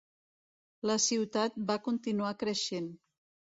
La ciutat va continuar creixent.